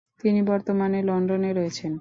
তিনি বর্তমানে লন্ডনে রয়েছেন।